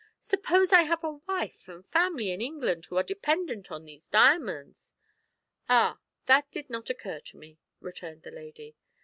Suppose I have a wife and family in England who are dependent on these diamonds." "Ah! that did not occur to me," returned the lady.